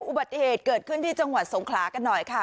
อุบัติเหตุเกิดขึ้นที่จังหวัดสงขลากันหน่อยค่ะ